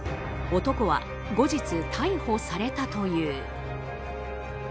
男は後日逮捕されたという。